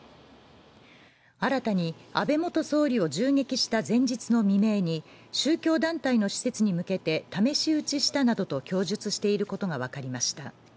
新たに安倍元総理を銃撃した前日の未明に、宗教団体の施設に向けて試し撃ちしたなどと供述していることが分かりました。